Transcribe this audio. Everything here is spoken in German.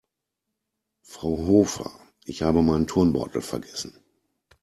Frau Hofer, ich habe meinen Turnbeutel vergessen.